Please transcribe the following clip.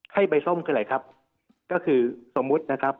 ให้ใบส้มคืออะไรครับก็คือสมมุตินะครับ